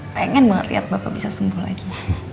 pengen banget lihat bapak bisa sembuh lagi